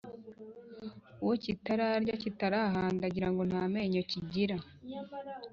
Uwo kitararya (kitarahanda) agira ngo nta menyo kigira.